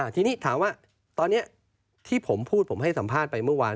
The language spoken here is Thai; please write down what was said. ทีนี้ถามว่าตอนนี้ที่ผมพูดผมให้สัมภาษณ์ไปเมื่อวาน